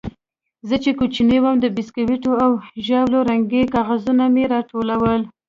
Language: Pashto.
زه چې کوچنى وم د بيسکوټو او ژاولو رنګه کاغذان مې راټولول.